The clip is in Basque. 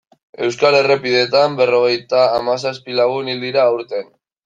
Euskal errepideetan berrogeita hamazazpi lagun hil dira aurten.